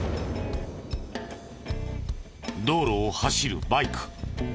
道路を走るバイク。